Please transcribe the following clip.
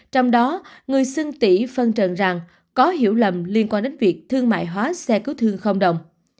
trong đó người xưng tỉ phân trần rằng có hiểu lầm liên quan đến việc thương mại hóa xe cứu thương không đồng